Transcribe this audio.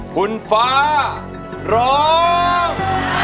คุณฟ้าร้อง